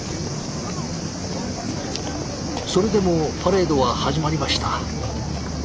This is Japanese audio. それでもパレードは始まりました。